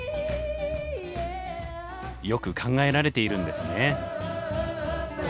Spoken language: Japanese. よく考えられているんですね。